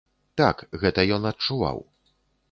Так, гэта ён адчуваў.